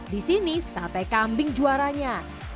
di sini sate kambing juaranya